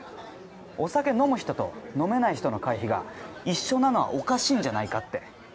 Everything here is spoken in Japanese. お酒飲む人と飲めない人の会費が一緒なのはおかしいんじゃないかって。